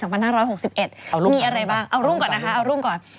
มีอะไรบ้างเอารุ่งก่อนนะคะ